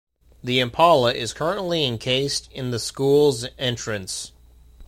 The impala is currently encased in the school's entrance.